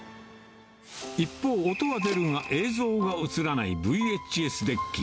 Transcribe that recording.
一方、音は出るが映像が映らないＶＨＳデッキ。